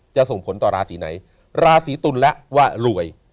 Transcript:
ส่งผลต่อราศีไหนราศีตุลและว่ารวย